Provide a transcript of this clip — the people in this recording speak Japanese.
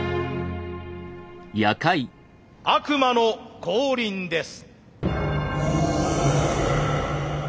悪魔の降臨です。